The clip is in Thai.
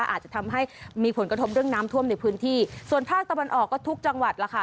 อาจจะทำให้มีผลกระทบเรื่องน้ำท่วมในพื้นที่ส่วนภาคตะวันออกก็ทุกจังหวัดล่ะค่ะ